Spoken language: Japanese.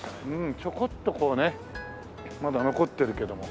ちょこっとこうねまだ残ってるけども。